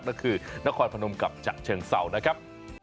ก็คือนครพนมกรรมจากเชิงเศร้านะครับ